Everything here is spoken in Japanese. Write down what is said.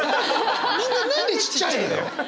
みんな何でちっちゃいのよ！